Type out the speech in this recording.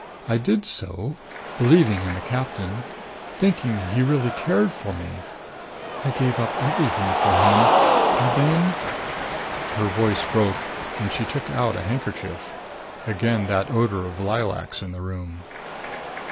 I did so believing in the captain thinking he really cared for me I gave up everything for him. And then " Her voice broke and she took out a handkerchief. Again that odor of lilacs in the room.